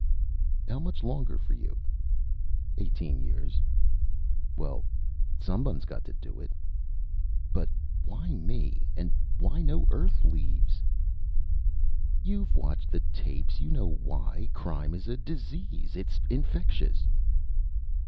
"How much longer for you?" "Eighteen years." "Well, someone's got to do it." "But why me? And why no Earth leaves?" "You've watched the tapes, you know why. Crime is a disease. It's infectious."